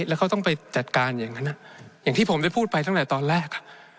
แล้วเขาต้องไปจัดการอย่างนั้นอย่างที่ผมได้พูดไปตั้งแต่ตอนแรก